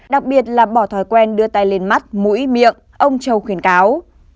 đặc biệt là bỏ thói quen đưa tay lên mắt mũi miệng ông châu khuyến cáo